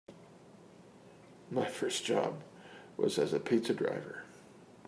My first job was as a pizza driver.